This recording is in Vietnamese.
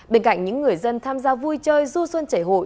bên cạnh những người dân tham gia vui chơi du xuân chảy hội